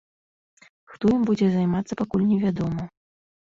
Хто ім будзе займацца пакуль невядома.